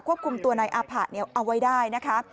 คุมตัวนายอาผะเอาไว้ได้นะคะ